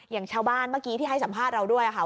อย่างชาวบ้านเมื่อกี้ที่ให้สัมภาษณ์เราด้วยค่ะ